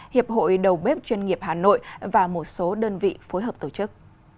hiệp hội đầu bếp chuyên nghiệp hà nội và một số đơn vị phối hợp tổ chức